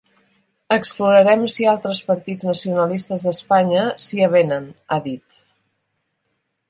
Explorarem si altres partits nacionalistes d’Espanya s’hi avenen, ha dit.